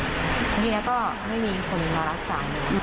ทีนี้ก็ไม่มีคนรับสายเหมือนกัน